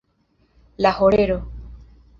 La horero.